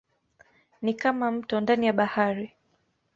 Ni kama mto ndani ya bahari.